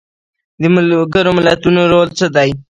د ملګرو ملتونو رول څه دی؟